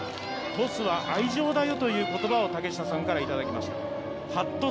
トスは愛情だよという言葉を、竹下さんからいただきましたと。